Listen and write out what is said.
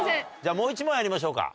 もう１問やりましょうか。